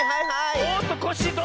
おっとコッシーどうぞ！